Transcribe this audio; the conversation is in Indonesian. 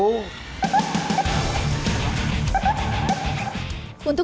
untuk mengenal siapa yang menawarkan itu